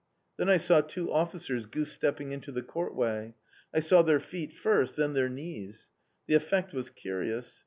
Then I saw two officers goose stepping into the courtway. I saw their feet first! then their knees. The effect was curious.